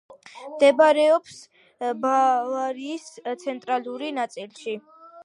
მდებარეობს ბავარიის ცენტრალურ ნაწილში.